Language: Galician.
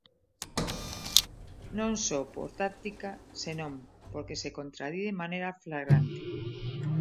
Non só por táctica, senón porque se contradí de maneira flagrante.